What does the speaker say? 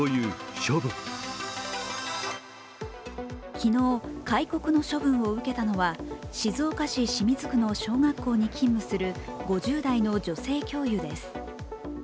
昨日、戒告の処分を受けたのは静岡市清水区の小学校に勤務する５０代の女性教諭です。